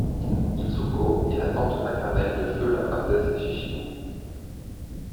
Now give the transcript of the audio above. Itsuko est la tante maternelle de feu la princesse Chichibu.